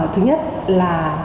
thứ nhất là